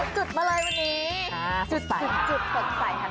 สวัสดีค่ะ